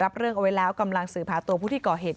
เรื่องเอาไว้แล้วกำลังสืบหาตัวผู้ที่ก่อเหตุ